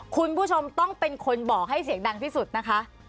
คุณผู้ชมต้องเป็นคนบอกให้เสียงดังที่สุดนะคะ